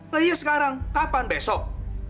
nah iya sekarang kapan besok